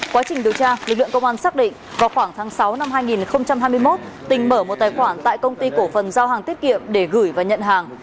quá trình điều tra lực lượng công an xác định vào khoảng tháng sáu năm hai nghìn hai mươi một tình mở một tài khoản tại công ty cổ phần giao hàng tiết kiệm để gửi và nhận hàng